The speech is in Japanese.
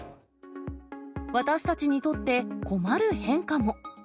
私たちにとって困る変化も。